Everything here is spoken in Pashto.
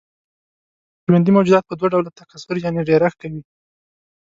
ژوندي موجودات په دوه ډوله تکثر يعنې ډېرښت کوي.